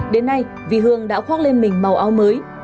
đến nay vi hương đã khoác lên mình màu áo mới